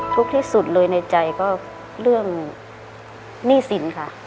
ทุกข์ที่สุดเลยในใจก็เรื่องหนี้สินค่ะ